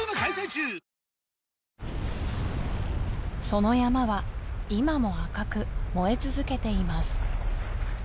その山は今も赤く燃え続けています